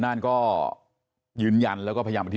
ถามเพื่อให้แน่ใจ